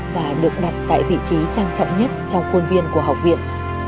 và được đặt tại vị trí trang trọng nhất trong khuôn viên của học viện